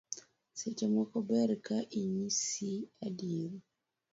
Seche moko ber ka inyisi adier